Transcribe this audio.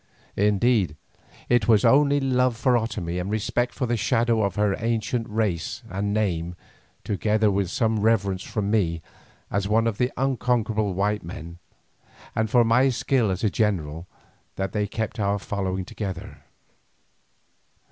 Indeed it was only love for Otomie and respect for the shadow of her ancient race and name, together with some reverence for me as one of the unconquerable white men, and for my skill as a general, that kept our following together.